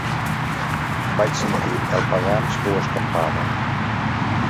Vaig sentir el Pagans que ho escampava.